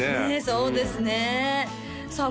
そうですねさあ